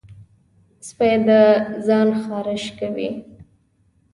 سپي د ځان خارش کوي.